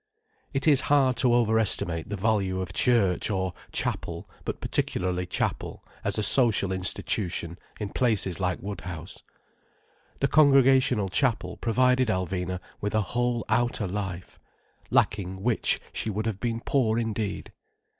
It is hard to overestimate the value of church or chapel—but particularly chapel—as a social institution, in places like Woodhouse. The Congregational Chapel provided Alvina with a whole outer life, lacking which she would have been poor indeed.